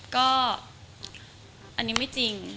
ก็อันนี้ไม่จริง